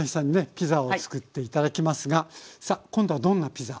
ピザをつくって頂きますがさあ今度はどんなピザでしょうか？